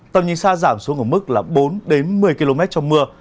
tầm nhìn xa giảm xuống ở mức là bốn đến một mươi km trong mưa